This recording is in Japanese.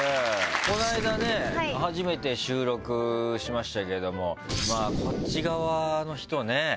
この間、初めて収録しましたけどこっち側の人ね。